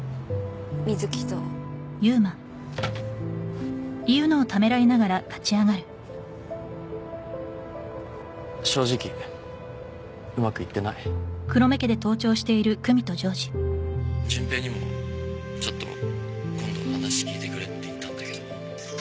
瑞貴と正直うまくいってない「純平にもちょっと今度話聞いてくれって言ったんだけど」